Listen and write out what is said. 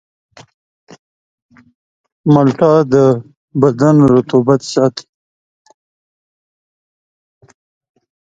مالټه د بدن رطوبت ساتي.